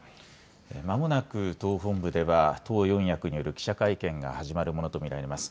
まもなく党本部では、党四役による記者会見が始まるものと見られます。